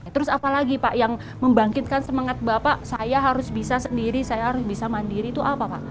terus apalagi pak yang membangkitkan semangat bapak saya harus bisa sendiri saya harus bisa mandiri itu apa pak